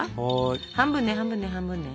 半分ね半分ね半分ね。